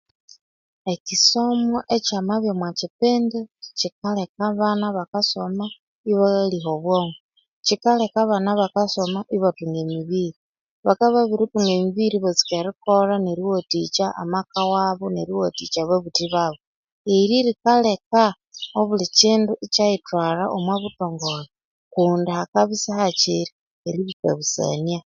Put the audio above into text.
Ekyisomo kyamabya omwa kyipindi kyikaleka abana abakasoma ibahaliha obwongo, kyikaleka abana abakasoma ibathunga emibiri, bakabya ibabirithunga emibiri ibatsuka erikolha ibatsuka eriwathikya amaka wabo neriwathikya ababuthi babo, eri rikaleka obuli kyindu ikyayithwalha omwa buthongole kundi hakabya isihakyiri eribusabusania.